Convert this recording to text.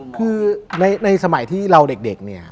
คือในสมัยที่เราเด็กเนี่ย